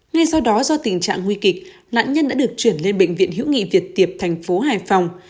ngay sau đó do tình trạng nguy kịch nạn nhân đã được chuyển lên bệnh viện hữu nghị việt tiệp thành phố hải phòng